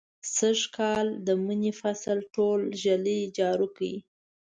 سږنی کال د مني فصل ټول ږلۍ جارو کړ.